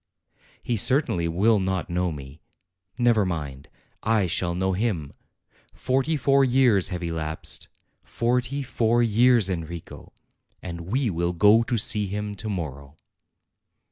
He certainly will not know me. Never mind; I shall know him. Forty four years have elapsed, forty four years, En rico! and we will go to see him to morrow."